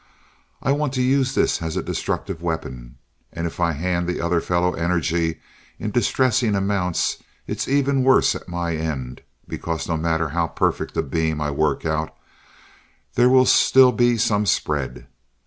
I want to use this as a destructive weapon, and if I hand the other fellow energy in distressing amounts, it's even worse at my end, because no matter how perfect a beam I work out, there will still be some spread.